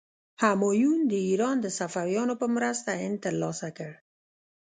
همایون د ایران د صفویانو په مرسته هند تر لاسه کړ.